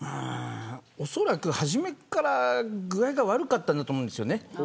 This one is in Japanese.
おそらく初めから具合が悪かったと思うんですね。